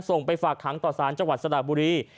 ไปฝากขังต่อสารจังหวัดสระบุรี